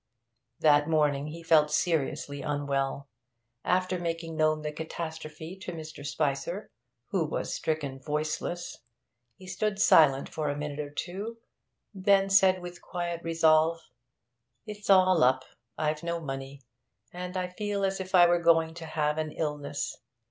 That morning he felt seriously unwell. After making known the catastrophe to Mr. Spicer who was stricken voiceless he stood silent for a minute or two, then said with quiet resolve: 'It's all up. I've no money, and I feel as if I were going to have an illness.